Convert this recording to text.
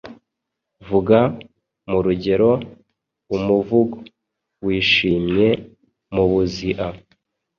Vuga mu rugero umuvug wishimye mubuzia